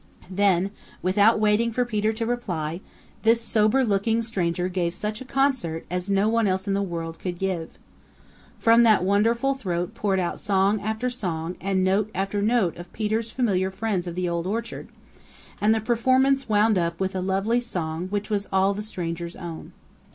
Then without waiting for Peter to reply, this sober looking stranger gave such a concert as no one else in the world could give. From that wonderful throat poured out song after song and note after note of Peter's familiar friends of the Old Orchard, and the performance wound up with a lovely song which was all the stranger's own.